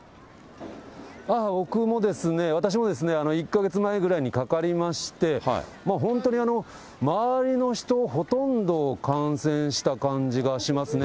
僕もですね、私も１か月前ぐらいにかかりまして、本当に、周りの人ほとんど感染した感じがしますね。